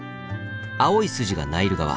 青い筋がナイル川。